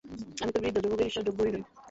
আমি তো বৃদ্ধ, যুবকের ঈর্ষার যোগ্যই নই।